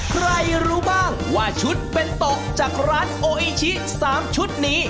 รู้บ้างว่าชุดเป็นตกจากร้านโออิชิ๓ชุดนี้